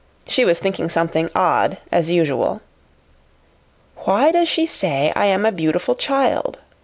She was thinking something odd, as usual. "Why does she say I am a beautiful child?"